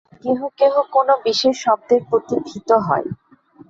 কেহ কেহ কোনো বিশেষ শব্দের প্রতি ভীত হয়।